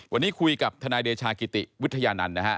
วันนี้คุยกับทนายเดชากิติวิทยานันต์นะฮะ